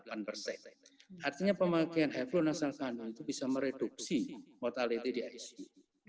artinya pemakaian hivlo nasalkanul itu bisa mereduksi mortality di icu